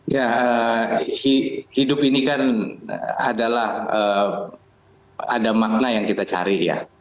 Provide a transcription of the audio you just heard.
ya hidup ini kan adalah ada makna yang kita cari ya